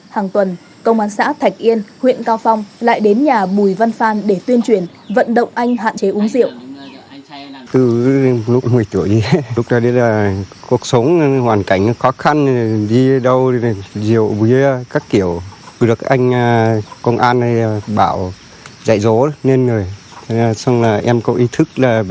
hàng tuần công an xã thạch yên huyện cao phong lại đến nhà mùi văn phan để tuyên truyền vận động anh hạn chế uống rượu